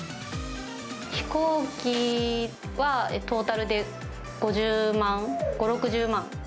飛行機はトータルで５０万、５、６０万。